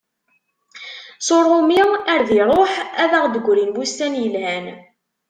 S urumi ar d iruḥ, ad aɣ-d-grin wussan yelhan.